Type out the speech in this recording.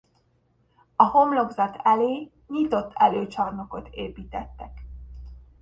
A homlokzat elé nyitott előcsarnokot építettek.